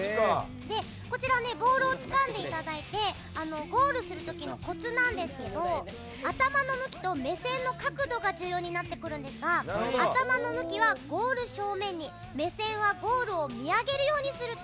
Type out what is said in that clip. こちらはボールをつかんでいただいてゴールする時のコツなんですけど頭の向きと目線の角度が重要になってくるんですが頭の向きはゴール正面に目線はゴールを見上げるようにすると